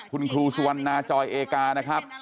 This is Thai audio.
คุณครูสุวรรณาจอยเอกานะครับ